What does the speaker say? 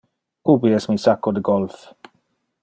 Ubi es mi sacco de golf?